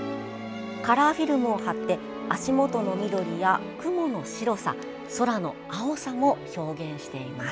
カラーフィルムを貼って足元の緑や雲の白さ空の青さも表現しています。